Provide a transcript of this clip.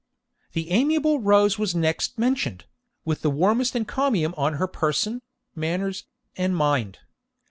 The amiable Rose was next mentioned, with the warmest encomium on her person, manners, and mind.